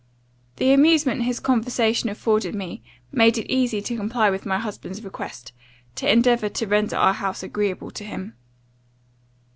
The amusement his conversation afforded me, made it easy to comply with my husband's request, to endeavour to render our house agreeable to him.